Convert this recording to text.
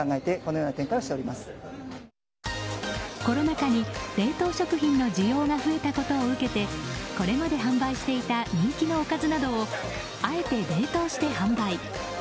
コロナ禍に冷凍食品の需要が増えたことを受けてこれまで販売していた人気のおかずなどをあえて冷凍して販売。